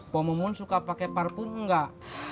pemumun suka pakai parpun gak